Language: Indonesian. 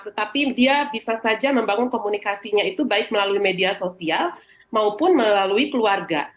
tetapi dia bisa saja membangun komunikasinya itu baik melalui media sosial maupun melalui keluarga